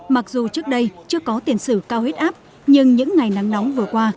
mặc dù trước đây chưa có tiền sử cao huyết áp nhưng những ngày nắng nóng vừa qua